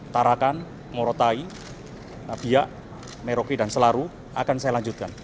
tarakan morotai biak meroki dan selaru akan saya lanjutkan